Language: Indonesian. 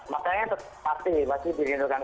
makannya pasti pasti dirindukan